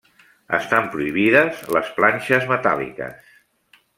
Estan prohibides les planxes metàl·liques.